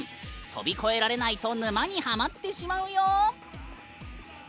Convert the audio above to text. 飛び越えられないと沼にはまってしまうよ。